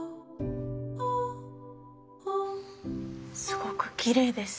すごくきれいです。